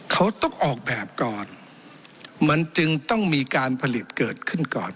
เขาต้องออกแบบก่อนมันจึงต้องมีการผลิตเกิดขึ้นก่อน